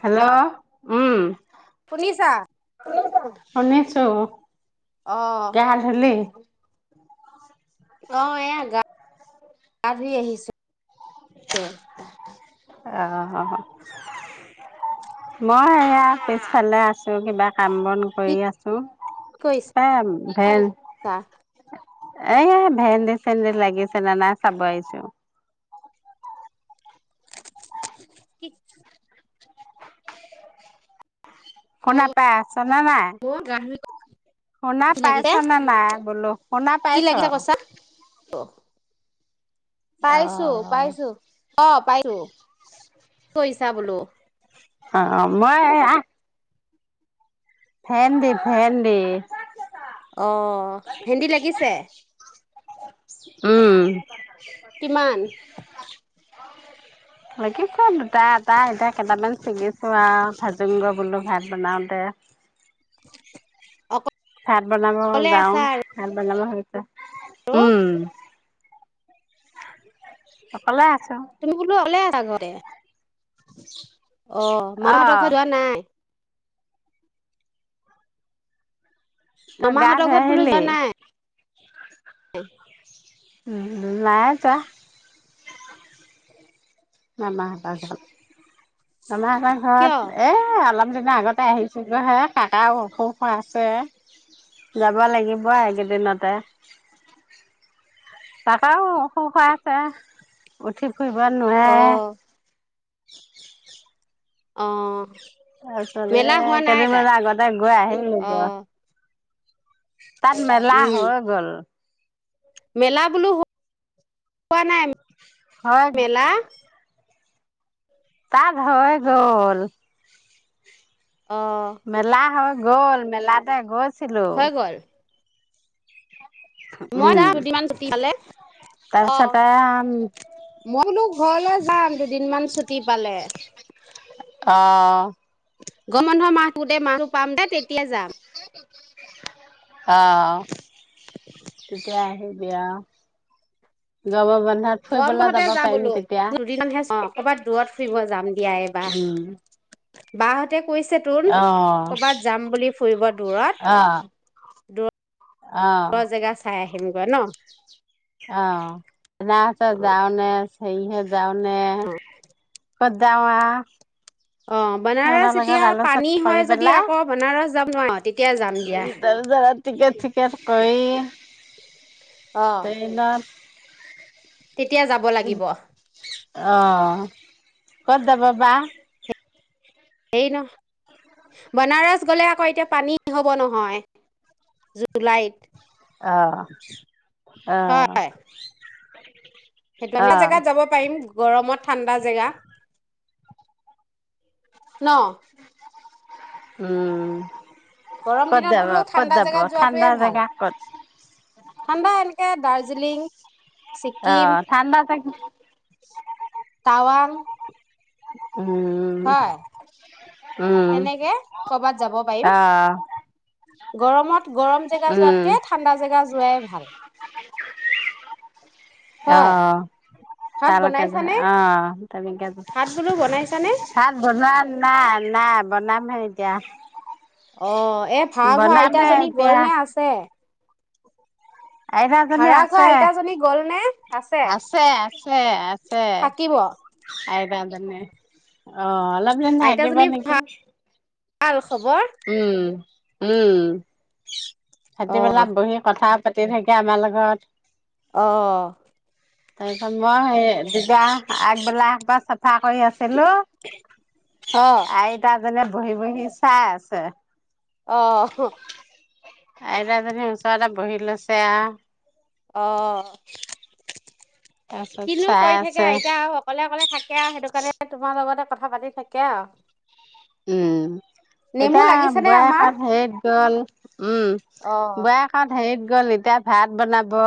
Hello উম। শুনিছা অহ' বৰটা, শুনিছোঁ। অ তই হাতত ধূলি। [unintelligible] অ এয়া গা ধুই আহিছোঁ। [unintelligible] অ' মই এয়াৰ পিছফালে আছোঁ কিবা কাম বন কি কৰি আছো কৰিছা? এ ভেল এই ভেন্দে চেন্দি লাগিছে ন নাই চাব আহিছো। কি অ শুনা পাই আছ ন নাই মোৰ গা ধুই শুনা কি পাইছ লাগিছে? নে নাই বোলো শুনা কি পাইছ লাগিলে কৈছা? অ পাইছো পাইছো অ পাইছো কি কৰিছা বোলো অ' অ' মই আ ভেন্দী ভেন্দী অ ভেন্দি লাগিছে উম। কিমান? লাগিব আ দুটা এটা এতিয়া কেইটামান ছিগিছো আৰু ভাজুংগ বোলো ভাত বনাওতে। ভাত বনাব অকলে যাওঁ আছা ভাত বনাব অ আৰু। সকলোৱে আছা। তুমি বোলো অকলে আ সাগৰে [inaudible] অঁ অ মামাহঁতৰ ঘৰত যোৱা নাই তই গা মামাহঁতৰ [unintelligible] ঘৰত বোলো যোৱা নাই? [unintelligible] [unintelligible] নাই যোৱা। মামাহঁতৰ কিয়? [unintelligible] এ অলপ [unintelligible] আগতে আহিছিলো হে কাকা অসুখ হৈ আছে যাব লাগিব এইকেইদিনতে কাকাও অসুখ হৈ আছে উঠি ফুৰিব অ নোৱাৰে [inaudible] অ [unintelligible] মেলা হোৱা নাই কেইদিনমান তাত? আগতে গৈ আহিলো অ [unintelligible] তাত মেলা উম হৈ গ'ল। মেলা বোলো হোৱা নাই হৈ মেলা তাত হৈ গ'ল অ', মেলা হ'ল গ'ল মেলাতে গ'ল [unintelligible] হৈ গ'ল মই যাম দুদিনমান ছুটী পালে অঁ তাৰপিছতে মই বোলো ঘৰলৈ যাম দুদিনমান ছুটী পালে অঁ গৰম বন্ধৰ মাহ গোটেই মাহটো পাম যে তেতিয়া যাম অঁ তেতিয়া আহিবি অঁ [unintelligible] গৰম বন্ধতে যাম বোলো দুদিনমান সেই ক'বাত দূৰত ফুৰিব যাম দিয়া এইবাৰ উম বাহঁতে কৈছে আহ [unintelligible] ক'বাত যাম বুলি ফুৰিব আহ আহ দূৰত জেগা চাই আহি [unintelligible] ন অঁ [unintelligible] অ', যাওঁ নে সেই হে যাওঁনে অ', কদামা অ', বনাৰস সিহঁতৰ এতিয়া লগত পানী আলোচনা কৰি হয় যদি আকৌ বনাৰস যাম নোৱাৰি তেতিয়া যাম দিয়া পেলাই তাৰপিছত টিকেট চিকেট কৰি অ', তেতিয়া যাব ট্ৰেইনত লাগিব হয় অ ক'ত যাব বা এই নহয় বনাৰস গ'লে আকৌ এতিয়া পানী হব নহয় জুলাইত। অ অ। সেইকাৰণে এটা অ', জেগাত যাব পাৰিম গৰমত ঠাণ্ডা জেগা। ন উম গৰম ক'ত দিনত যাব বোলো ক'ত ঠাণ্ডা যাব জেগাত ঠাণ্ডা যোৱাটোৱে ভাল জেগা ক'ত? ঠাণ্ডা এনেকে দাৰ্জি দাৰ্জিলিং অ ছিকিম ঠাণ্ডা টাৱাং উ হয় উম, তেনেকে কৰবাত যাব পাৰিম অ', গৰমত গৰম জেগা উম, যোৱাতকে ঠাণ্ডা জেগা যোৱাই ভাল [unintelligible] হয় অঁ ভাত তালৈকে বনাইছানে অঁ তেনেকে ভাত বোলো বনাইছানে ভাত বনোৱা নাই, নাই বনাম- নবনাওঁ এতিয়া। অঁ এ ভাড়াঘৰৰ বনামহে আইতাজনী গল এতিয়া নে আছে? আইতাজনী ভাড়া ঘৰৰ আছে। আইতাজনী গল নে! আছে, আছে, আছে- থাকিব [unintelligible] জানে অঁ অলপ দিন থাকিব আইতাজনী নেকি! ভাল খবৰ? উম। অ সিহঁতে বহি পথাৰত পাতি থাকে আমাৰ লগত অঁ তাৰ পিছত মই সেই দিবা আগবেলা বা চাফা কৰি আছো। হেল্লো অ অ আইতাজনিয়ে। বহি বহি চাই আছে। অ', হ'। [unintelligible] ওচৰৰ এটা বহি লৈছে আওঁ অ'। তাৰপিছত কিনো চাই কৰি থাকে আছে আইতা আও অকলে অকলে থাকে আও সেইটোকাৰণে তোমাৰ লগতে কথা পাতি থাকে আও উম, এতিয়া লাগিছেনে আমাৰ বোৱাৰীয়েকহঁত হেৰিত গ'ল, উম, অ', বোৱাৰীয়েকহঁত হেৰিত গ'ল, এতিয়া ভাত বনাব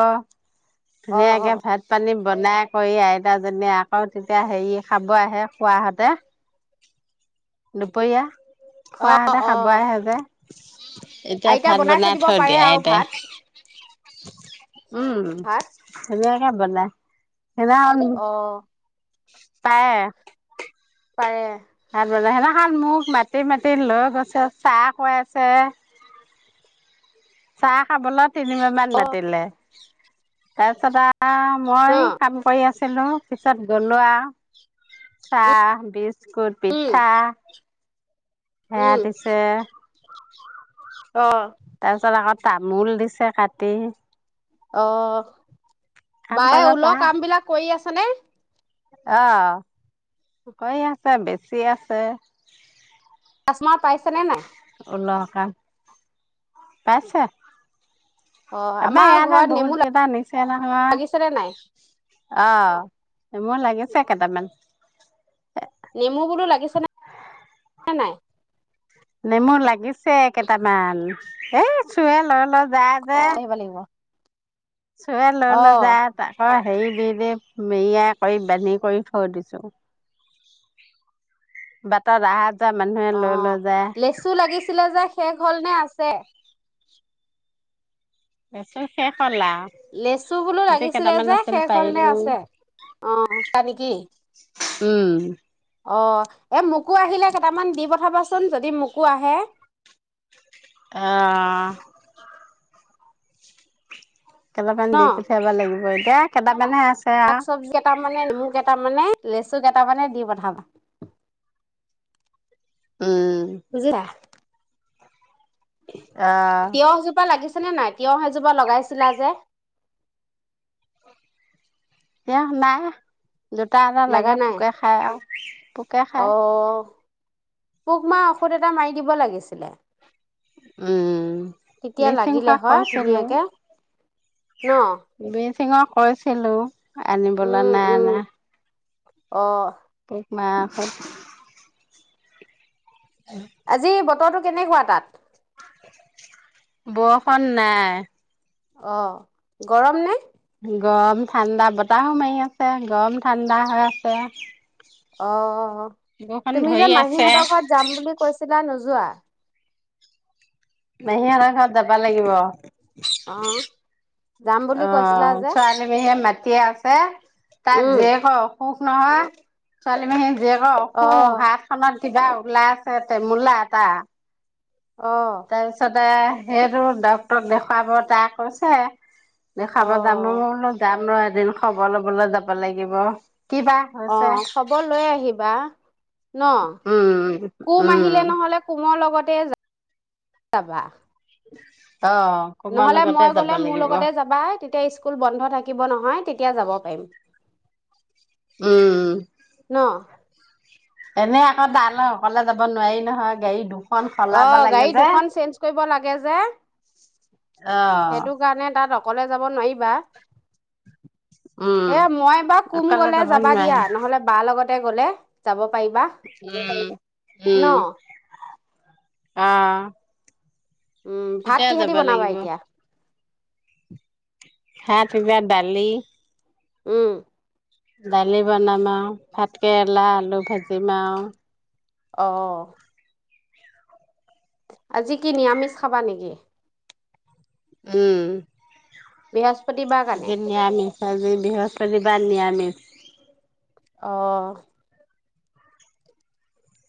অ', ধুনীয়াকে অ', ভাত পানী বনাই কৰি আইতাজনীয়ে আকৌ তেতিয়া হেৰিয়ে খাব আহে খুৰাহঁতে, দুপৰীয়া। খুৱাহঁতে খাব আহে যে। এতিয়া আইতাই ভাত বনাই থৈ দিব পাৰে দিয়ে আৰু আইতাই ভাত। [inaudible] উম ভাত উম [unintelligible] বনাই [unintelligible] অ', পাৰে? পাৰে। ভাত বনাই, সেইদিনাখন মোক মাতি মাতি লৈ গৈছে, চাহ খুৱাইছে। চাহ খাবলৈ তিনিবাৰ মান অ', মাতিলে। তাৰপিছত আও আও, মই অ', কাম কৰি আছ ছিলো, পিছত গ'লো আও, চাহ, বিচ স্কুট, উম, পিঠা সেয়া উম, দিছে। অ'। তাৰপিছত আকৌ তামোল দিছে কাটি। অস'। কাম বায়ে কৰিব ঊলৰ কাম বিলাক কৰি আছ হয়নে? অ', কৰি আছে, বেচি আছে। স্মা পাইছেনে নাই? [unintelligible] পাইছে। অ', এইবাৰ আমাৰ ইয়াতে ঘৰত নেমু বহুত কেইটা নিছে নহয়, লাগিছেনে নাই অ', নেমু লাগিছে। ছে কেইটামান। নেমু বোলো লাগিছে নে নাই। নেমু লাগিছে কেইটামান এই চোৰে লৈ লৈ যায়। যে আহিব লাগিব চোৰে লৈ লৈ অ', যায় আটাইবোৰ হেৰি দি দি মেৰীয়া কৰি বান্ধি কৰি থৈ দিছো। বাটত আহা অ লেচু লাগিছিলে যে শেষ হ'ল নে আ আছে লেচু শেষ হ'ল আৰু লেচু বোলো গোটেই লাগিছিলে কেইটামান যে আছিল শেষ হল নে পাৰিলো আছে। অ নেকি উম অ এ মোকো আহিলে কেইটামান দিব কবাচোন যদি মোকো আহে অ কেইটামান ন দি পঠিয়াব লাগিব। এ কেইটামানহে আছে শাক আৰু চবজি কেইটামানে নেমু কেইটামানে লেচু কেইটামানে দি পঠাবা। উম বুজিলা। আহ তিয়ঁহজোপা লাগিছে লাগিছেনে নাই তিয়ঁহ এজোপা লগাইছিলা যে? তেওঁহ নাই দুটা এটা লগা লাগে নাই পোকে খায় আৰু পোকে খাই অ পোক মৰা ঔষধ এটা মাৰি দিব লাগিছিলে উম তেতিয়া ব্লিচিং লাগিলে পাউদাৰ হয় কৰিছিলো ধুনীয়াকে ন সিঙক কৈছিলো আনিবলৈ উম নাই উম অনা অ পোক মৰা ঔষধ আজি বতৰটো কেনেকুৱা তাত বৰষুণ নাই অ গৰম নে গৰম ঠাণ্ডা বতাহো মাৰি আছে গৰম ঠাণ্ডা হৈ আছে অ বৰষুণ তুমি যে ধৰি আছে মাহীহঁতৰ ঘৰত যাম বুলি কৈছিলা নোযো যোৱা মাহীহঁতৰ ঘৰত যাবা লাগিব। অ', অ' যাম বুলি কৈছিলা যে ছোৱালী পেহীয়ে মাটিয়ে আ পে তাক উম যে ক মোক নহয় ছোৱালী মাহীয়ে জীয়েকৰ অসুখ, অ' হাত খনত কিবা ওলাইছে, তেমূলা এটা অ'। তাৰপিছতে সেইটো ডক্টৰক দেখুৱাব, তাই কৈছে। দেখাব যাম, অ' নমলো যাম ৰ এদি এদিন খবৰ ল'বলৈ যাব লাগিব। কিবা অ, হৈছে খবৰ লৈ আহিবা ন, উম কোম উম আহিলে নহ'লে কোমৰ লগত তে, যা, যাবা। [inaudible] তোমাৰ নহ'লে লগতে মই যাব গ'লে মোৰ লাগিব লগতে যাবা, তেতিয়া স্কুল বন্ধ থাকিব নহয়, তেতিয়া যাব পাৰিম। উম, উম। ন এনে আকৌ তালৈ অকলে যাব নোৱাৰি নহয়, গাড়ী দুখ অ', গাড়ী দুখন চেঞ্জ কৰিব লাগে যে, অ সেইটো কাৰণে তাত অ অকলে যাব নোৱাৰিবা। উম এ, মই এইবাৰ কোম অকলে গ'লে যাব যাবা দিয়া, নোৱাৰি নহ'লে বাৰ লগত তে গ'লে যাব পাৰিবা, ন'? আহ। উম, ভাত কিহেদি বনাবা এতিয়া? [inaudible] ভাত কিবা দালি উম। দালি বনাম আও ভাতকেৰেলা, আলু ভাজি ইম আও। অঁ আজি কি নিৰামিষ খাবা নেকি? উম। বিয়াজ আজি নিৰামিষ, আজি বৃহস্পতিবাৰ নিৰামিষ [inaudible] অ'।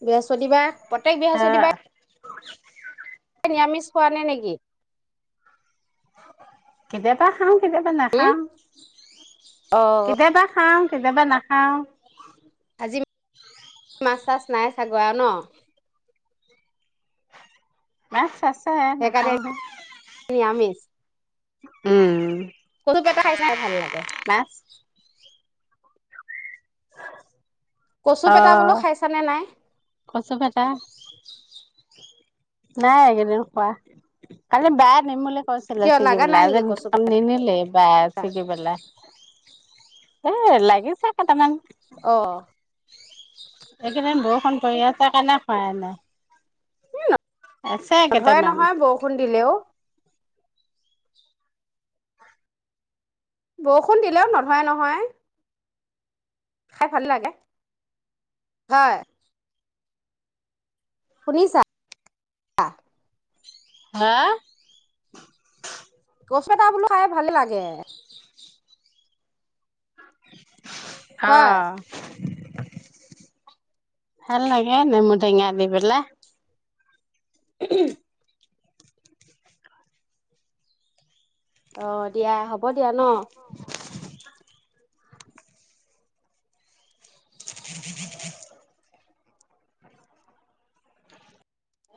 বৃহস্পতিবাৰে প্ৰত্যেক ত বৃহস্পতিবাৰে [inaudible] নিৰামিষ খোৱা নাই নেকি! কেতিয়াবা খাওঁ। কেতিয়াবা উম নাখাওঁ, অঁ কেতিয়াবা খাম। কেতিয়াবা নাখাওঁ। আজি মাছ- চাছ নাই চাগৰা ন মাছ তাছ [unintelligible] সেইকাৰণে আমি- উম। সৰুুপ এটা খাই চাই ভাল লাগে। মাছ কচু পেটা বোলো অ' খাইছানে নাই কচু পেটা নাই এইকেইদিন খোৱা আজি বাইৰ কৈছিলে কিয় লাগা ছিগিবলৈ নাই আজি নেকি কচু কাম পেটা নিনিলে বা ছিগিবলৈ- এ লাগিছে কেইটামান- অহ' তই ইয়াত কাৰ কাৰণে খোৱা নাই। আছে নৰধয় কেইটামান নহয় বৰষুণ দিলেওঁ। বৰষুণ দিলেওঁ নধয় নহয়। খাই ভাল লাগে হয়। শুনিছা। আহ হা কচু এটা বোলোঁ খাই ভালে লাগে গে [inaudible] হয়। অহ' ভাল লাগে নেমু টেঙা দি পেলাই। [unintelligible] অ' দিয়া, হ'ব দিয়া ন। [inaudible]